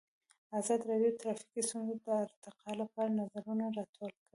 ازادي راډیو د ټرافیکي ستونزې د ارتقا لپاره نظرونه راټول کړي.